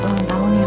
kamu tau gak ya mas